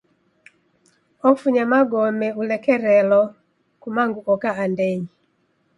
Ofunya magome ulekerelo kumangu oka andenyi.